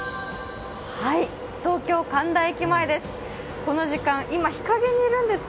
東京・神田駅前です。